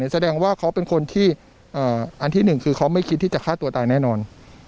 แสดงว่าเขาเป็นคนที่อันที่หนึ่งคือเขาไม่คิดที่จะฆ่าตัวตายแน่นอน